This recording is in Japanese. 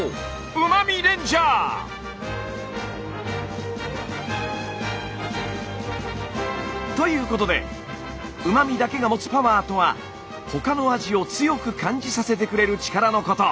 うま味レンジャー！ということでうま味だけが持つパワーとは他の味を強く感じさせてくれる力のこと。